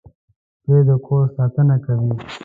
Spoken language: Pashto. سپي د کور ساتنه کوي.